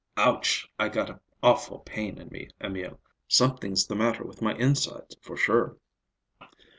"Ouch! I got an awful pain in me, Emil. Something's the matter with my insides, for sure."